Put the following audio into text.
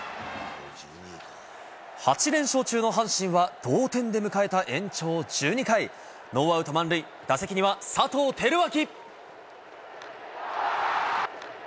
８連勝中の阪神は、同点で迎えた延長１２回、ノーアウト満塁、打席には佐藤輝明。